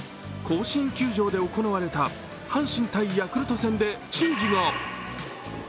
甲子園球場で行われた阪神×ヤクルト戦で珍事が。